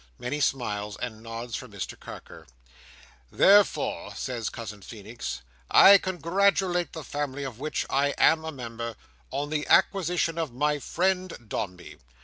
Many smiles and nods from Mr Carker. "Therefore," says Cousin Feenix, "I congratulate the family of which I am a member, on the acquisition of my friend Dombey.